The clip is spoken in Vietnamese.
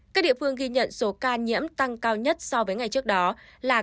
các địa phương ghi nhận số ca nhiễm tăng cao nhất so với ngày trước đó là